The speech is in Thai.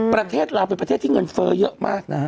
ประเทศลาวไว้เฟ้เยอะมากนะ